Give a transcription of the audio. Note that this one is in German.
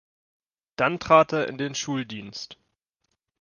Dann trat er in den Schuldienst.